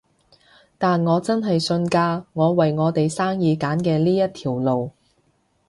但我真係信㗎，我為我哋生意揀嘅呢一條路